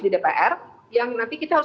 di dpr yang nanti kita harus